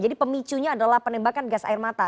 jadi pemicunya adalah penembakan gas air mata